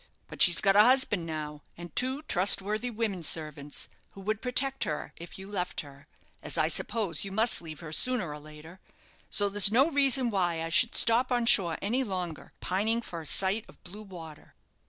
But she's got a husband now, and two trust worthy women servants, who would protect her if you left her as I suppose you must leave her, sooner or later so there's no reason why I should stop on shore any longer, pining for a sight of blue water."